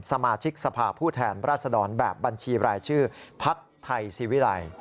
สมาชิกสภาพผู้แทนราชดรแบบบัญชีรายชื่อพักไทยศิวิรัย